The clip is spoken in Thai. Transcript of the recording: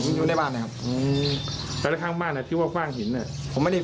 ขอยืมไพ่นะครับเราไปตรวจได้นะ